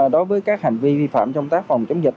đối với các hành vi vi phạm trong tác phòng chống dịch